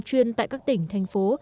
chuyên tại các tỉnh thành phố